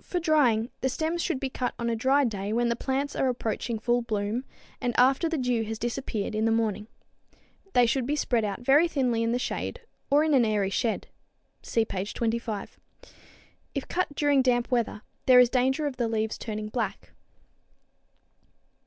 For drying, the stems should be cut on a dry day when the plants are approaching full bloom and after the dew has disappeared in the morning. They should be spread out very thinly in the shade or in an airy shed. (See page 25.) If cut during damp weather, there is danger of the leaves turning black.